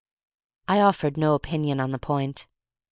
I offered no opinion on the point.